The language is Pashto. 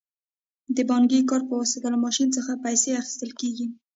د بانکي کارت په واسطه له ماشین څخه پیسې اخیستل کیږي.